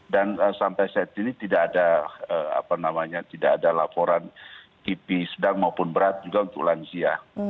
dan sampai saat ini tidak ada apa namanya tidak ada laporan tipis sedang maupun berat juga untuk lansia